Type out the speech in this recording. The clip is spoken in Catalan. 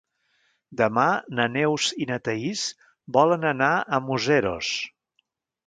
Demà na Neus i na Thaís volen anar a Museros.